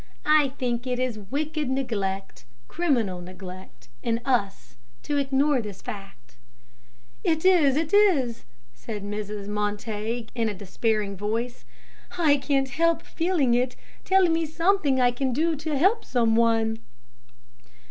I think it is wicked neglect, criminal neglect in us to ignore this fact." "It is, it is," said Mrs. Montague, in a despairing voice. "I can't help feeling it. Tell me something I can do to help some one."